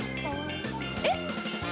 えっ！